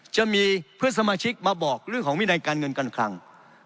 จะมีเพื่อนสมาชิกมาบอกเรื่องของวินัยการเงินการคลัง